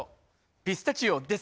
ピスタチオです。